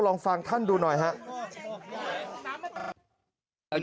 ลองฟังท่านดูหน่อยครับ